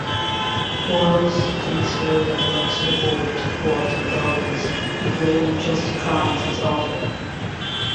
Quarles thinks Raylan works for Boyd (Walton Goggins) and Raylan just declines his offer.